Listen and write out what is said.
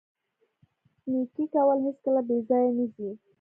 نیکي کول هیڅکله بې ځایه نه ځي.